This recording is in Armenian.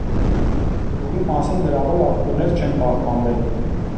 Գյուղի մասին գրավոր աղբյուրներ չեն պահպանվել։